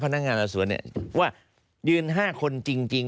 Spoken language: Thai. พนักงานสอบสวนว่ายืน๕คนจริง